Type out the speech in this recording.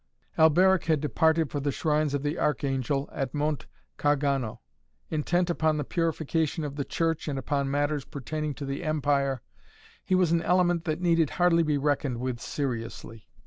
Alberic had departed for the shrines of the Archangel at Monte Gargano. Intent upon the purification of the Church and upon matters pertaining to the empire, he was an element that needed hardly be reckoned with seriously.